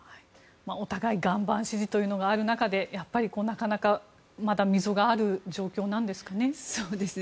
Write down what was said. お互い岩盤支持というのがある中で、やっぱりなかなかまだ溝がある状況なんですかね。